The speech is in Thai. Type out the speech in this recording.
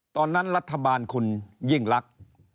ตอนนั้นรัฐบาลคุณยิ่งลักษณ์